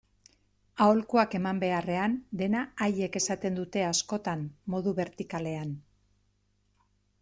Aholkuak eman beharrean, dena haiek esaten dute askotan, modu bertikalean.